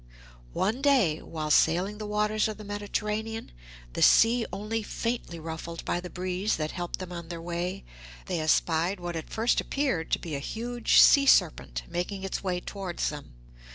One day, while sailing the waters of the Mediterranean, the sea only faintly ruffled by the breeze that helped them on their way, they espied what at first appeared to be a huge sea serpent making its way towards them.